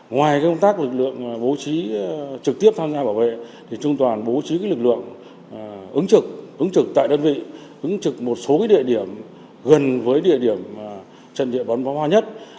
ngoài công tác lực lượng bố trí trực tiếp tham gia bảo vệ trung đoàn bố trí lực lượng ứng trực ứng trực tại đơn vị ứng trực một số địa điểm gần với địa điểm trận địa bắn phá hoa nhất